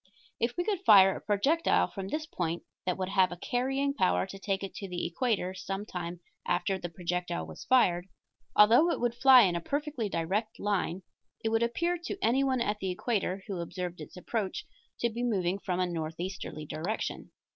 If we could fire a projectile from this point that would have a carrying power to take it to the equator some time after the projectile was fired, although it would fly in a perfectly direct line, it would appear to anyone at the equator who observed its approach to be moving from a northeasterly direction.